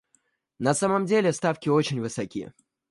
На самом деле ставки очень высоки.